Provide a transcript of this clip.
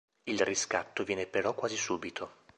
Il riscatto viene però quasi subito.